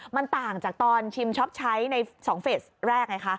มันต่างจากตอนชิมช็อปใช้ใน๒เฟสแรกไงคะ